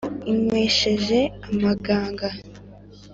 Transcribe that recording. inywesheje amaganga